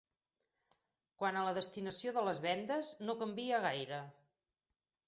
Quant a la destinació de les vendes, no canvia gaire.